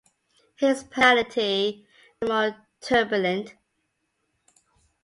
His personality became more turbulent.